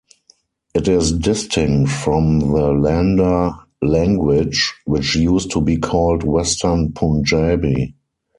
It is distinct from the Lahnda language, which used to be called Western Punjabi.